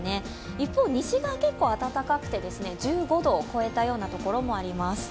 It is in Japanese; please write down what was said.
一方、西側結構暖かくて１５度を超えたような所もあります。